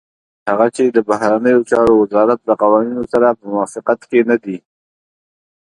هغه چې د بهرنيو چارو وزارت له قوانينو سره په موافقت کې نه دي.